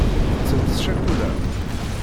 Tettent ccakula.